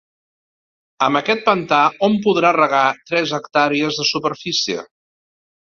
Amb aquest pantà hom podrà regar tres hectàrees de superfície.